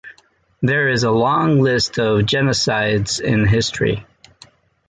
There is a long list of genocides in history.